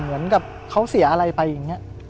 เหมือนกับเขาเสียอะไรไปอย่างนี้